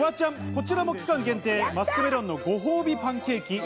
こちらも期間限定、マスクメロンのごほうびパンケーキ。